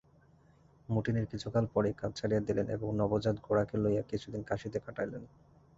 ম্যুটিনির কিছুকাল পরেই কাজ ছাড়িয়া দিলেন এবং নবজাত গোরাকে লইয়া কিছুদিন কাশীতে কাটাইলেন।